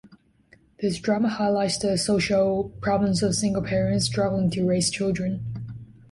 This drama highlights the social problems of single parents struggling to raise children.